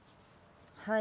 はい。